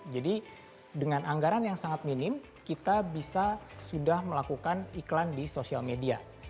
jadi dengan anggaran yang sangat minim kita bisa sudah melakukan iklan di sosial media